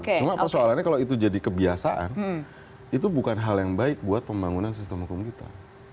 cuma persoalannya kalau itu jadi kebiasaan itu bukan hal yang baik buat pembangunan sistem hukum kita